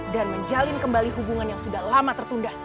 dan menjalin kembali hubungan yang sudah lama tertunda